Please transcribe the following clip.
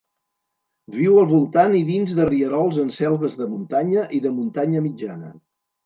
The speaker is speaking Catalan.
Viu al voltant i dins de rierols en selves de muntanya i de muntanya mitjana.